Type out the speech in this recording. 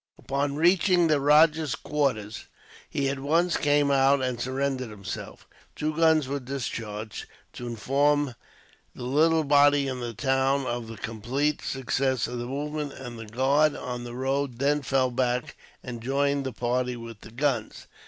Upon reaching the rajah's quarters, he at once came out and surrendered himself. Two guns were discharged, to inform the little body in the town of the complete success of the movement; and the guard on the road then fell back, and joined the party with the guns.